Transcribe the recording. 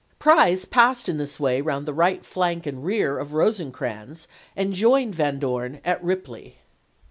Price passed in this way round the right flank and rear of Eosecrans, and joined Van Dorn at Eipley.